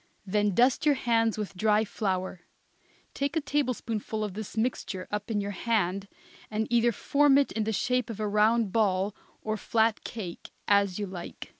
Then dust your hands, with dry flour; take a tablespoonful of this mixture up in your hand and either form it in the shape of a round ball or flat cake, as you like.